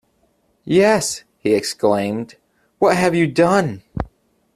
"Yes," he exclaimed, "what have you done?"